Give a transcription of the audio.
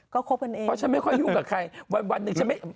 ก็คบกันเองเพราะฉันไม่ค่อยยุ่งกับใครวันหนึ่งฉันไม่